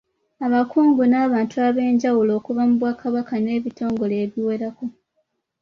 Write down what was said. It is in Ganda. Abakungu n’abantu abenjawulo okuva mu Bwakabaka n’ebitongole ebiwerako.